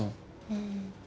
うん。